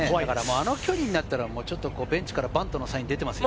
あの距離になったらベンチからバントのサイン出てますね。